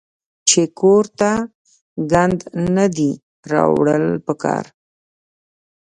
چې کور ته ګند نۀ دي راوړل پکار